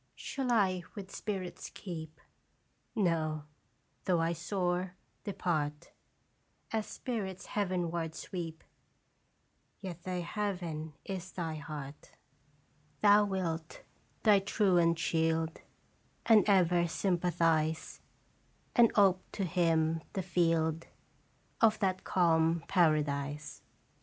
Shall I with spirits keep? No ; though I soar, depart As spirits heavenward sweep, Yet th' heaven is thy heart. tlje JDeafc JBeafc?" 301 Thou wilt thy truant shield, And ever sympathize, And ope to him the field Of that calm paradise.